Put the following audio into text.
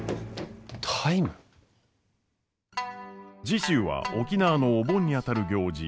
次週は沖縄のお盆にあたる行事